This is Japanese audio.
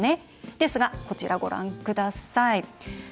ですが、こちらご覧ください。